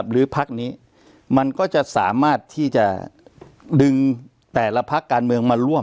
หรือพักนี้มันก็จะสามารถที่จะดึงแต่ละพักการเมืองมาร่วม